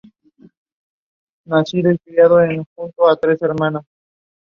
I think anger can only be truly expressed in rock music.